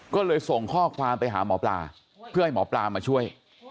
ก็เลยส่งข้อความไปหาหมอปลาเพื่อให้หมอปลามาช่วย